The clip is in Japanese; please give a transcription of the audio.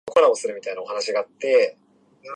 覚悟の準備をしておいてください